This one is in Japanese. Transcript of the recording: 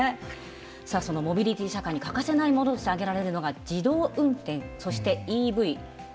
さあそのモビリティ社会に欠かせないものとして挙げられるのが自動運転そしてＥＶ電気自動車です。